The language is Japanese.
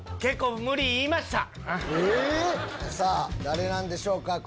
さぁ誰なんでしょうか？